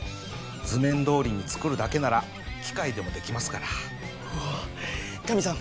図面どおりに作るだけなら機械でもできますからうわっガミさん